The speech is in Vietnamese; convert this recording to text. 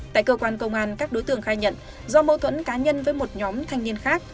tại cơ quan công an các đối tượng khai nhận do mâu thuẫn cá nhân với một nhóm thanh niên khác